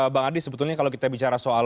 bang adi sebetulnya kalau kita bicara soal